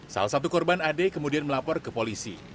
salah satu korban ade kemudian melapor ke polisi